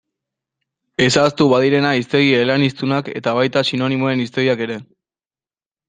Ez ahaztu badirena hiztegi eleaniztunak eta baita sinonimoen hiztegiak ere.